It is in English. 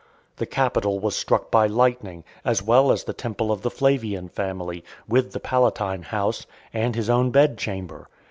The Capitol was struck by lightning, as well as the temple of the Flavian family, with the Palatine house, and his own bed chamber.